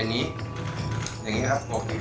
อันดับสุดท้ายแก่มือ